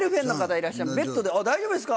大丈夫ですか？